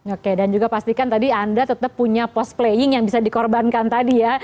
oke dan juga pastikan tadi anda tetap punya post playing yang bisa dikorbankan tadi ya